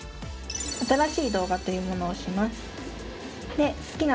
「新しい動画」というものを押します。